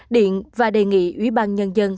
điện và đề nghị ủy ban nhân dân